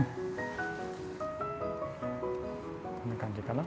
こんな感じかな。